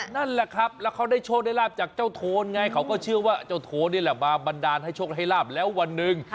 นั่นแหละครับแล้วเขาได้โชคได้ลาบจากเจ้าโทนไงเขาก็เชื่อว่าเจ้าโทนนี่แหละมาบันดาลให้โชคให้ลาบแล้ววันหนึ่ง